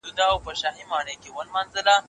د ژلۍ په دود سرونه تویېدله